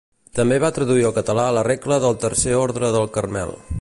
També va traduir al català la regla del Tercer Orde del Carmel.